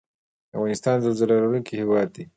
افغانستان زلزله لرونکی هیواد دی